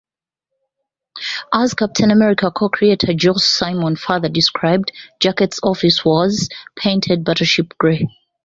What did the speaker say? As Captain America co-creator Joe Simon further described, Jacquet's office was painted battleship gray.